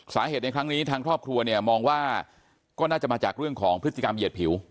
สาเหตุในครั้งนี้ทางครอบครัวเนี่ยมองว่าก็น่าจะมาจากเรื่องของพฤติกรรมเหยียดผิว